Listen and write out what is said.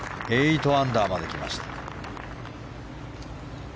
８アンダーまで来ました。